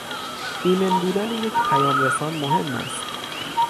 ایمن بودن یک پیامرسان مهم است